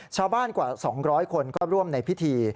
ชาวบ้านกว่า๒๐๐คนก็ร่วมในพิธี